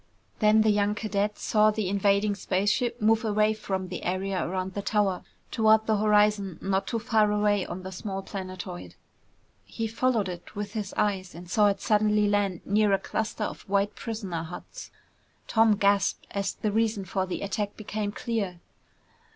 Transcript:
Then the young cadet saw the invading spaceship move away from the area around the tower toward the horizon not too far away on the small planetoid. He followed it with his eyes and saw it suddenly land near a cluster of white prisoner huts. Tom gasped as the reason for the attack became clear.